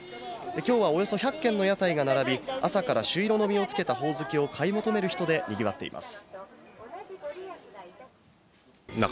きょうはおよそ１００軒の屋台が並び、朝から朱色の実をつけたホオズキを買い求める人で賑わっています。